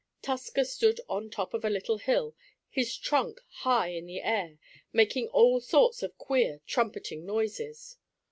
Tusker stood on top of a little hill, his trunk high in the air, making all sorts of queer, trumpeting noises.